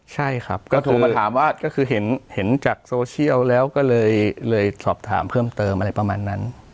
ใช่ครับก็คือเห็นจากโซเชียลแล้วก็เลยสอบถามเพิ่มเติมอะไรประมาณนั้น